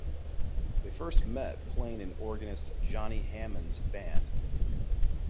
They first met playing in organist Johnny Hammond's band.